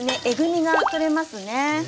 えぐみが取れますね。